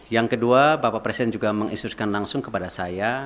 yang kedua bapak presiden juga menginstruksikan langsung kepada saya